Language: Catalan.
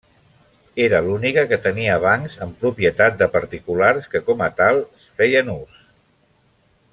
Era l'única que tenia bancs en propietat de particulars que, com a tals, feien ús.